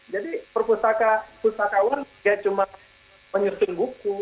jadi perpustakaan bukan cuma menyusun buku